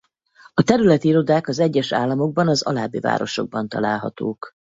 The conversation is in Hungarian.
A területi irodák az egyes államokban az alábbi városokban találhatók.